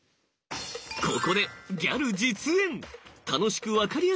ここでギャル実演。